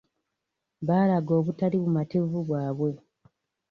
Baalaga obutali bumativu bwabwe.